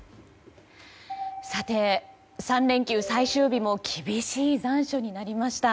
３連休最終日も厳しい残暑になりました。